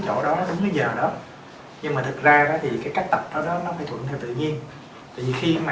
chỗ đó đúng cái giờ đó nhưng mà thật ra đó thì cái cách tập đó nó phải thuận theo tự nhiên vì khi mà